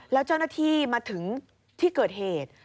แล้วเจ้าหน้าที่มาถึงที่เกิดเหตุ